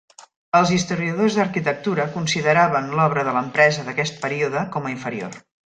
Els historiadors d'arquitectura consideraven l'obra de l'empresa d'aquest període com a inferior.